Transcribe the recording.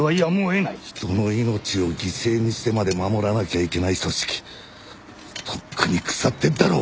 人の命を犠牲にしてまで守らなきゃいけない組織とっくに腐ってんだろうが。